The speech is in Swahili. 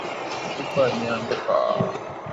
Chupa imeanguka